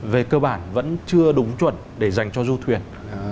về cơ bản vẫn chưa đúng chuẩn để dành cho du thuyền